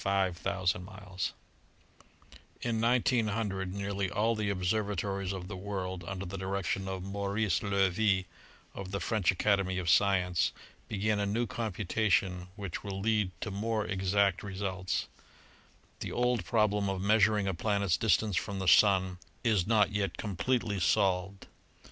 In 1900 nearly all the observatories of the world under the direc tion of Maurice Loewy and the French Academy of Sci ence began a new computation which will lead to more exact results. The old problem of measuring a planet's distance from the Sun its not yet completely solved.